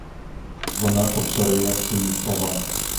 Вона повторила свої слова.